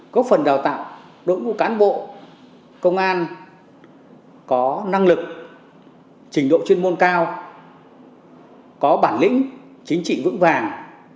có phần đào tạo đội ngũ cán bộ công an có năng lực trình độ chuyên môn cao có bản lĩnh chính trị vững vàng